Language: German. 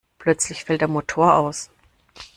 Plötzlich fällt der Motor aus.